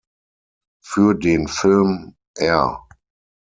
Für den Film "R.